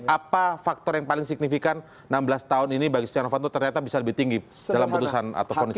apa faktor yang paling signifikan enam belas tahun ini bagi si cian hovanto ternyata bisa lebih tinggi dalam putusan atau ponis hakim